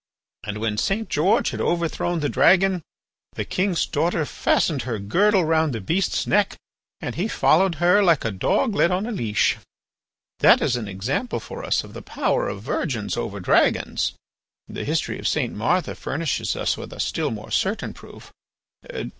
And when St. George had overthrown the dragon, the king's daughter fastened her girdle round the beast's neck and he followed her like a dog led on a leash. "That is an example for us of the power of virgins over dragons. The history of St. Martha furnishes us with a still more certain proof.